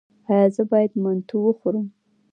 ایا زه باید منتو وخورم؟